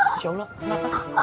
insya allah kenapa